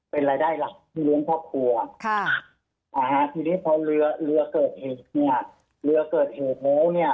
เป็นรายได้หลักที่รวมครอบครัวค่ะอ่าทีนี้เพราะเรือเกิดเหตุเนี่ย